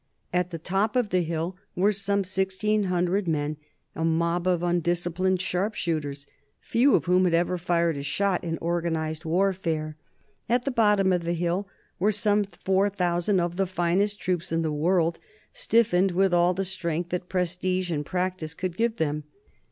At the top of the hill were some sixteen hundred men, a mob of undisciplined sharpshooters, few of whom had ever fired a shot in organized warfare. At the bottom of the hill were some four thousand of the finest troops in the world, stiffened with all the strength that prestige and practice could give them.